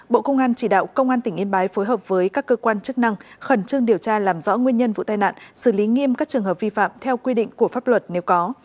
bộ công an chỉ đạo công an tỉnh yên bái phối hợp với các cơ quan chức năng khẩn trương điều tra làm rõ nguyên nhân vụ tai nạn xử lý nghiêm các trường hợp vi phạm theo quy định của pháp luật nếu có